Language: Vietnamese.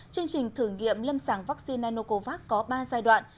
chương trình thử nghiệm lâm sàng vaccine nanocovax có ba giai đoạn